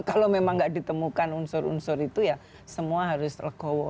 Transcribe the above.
kalau memang tidak ditemukan unsur unsur itu ya semua harus legowo